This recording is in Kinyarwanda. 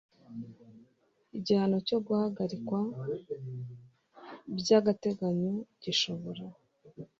Igihano cyo guhagarikwa by agateganyo gishobora